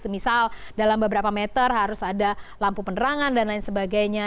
misal dalam beberapa meter harus ada lampu penerangan dan lain sebagainya